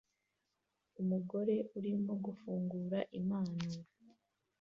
Umugore arimo gufungura impano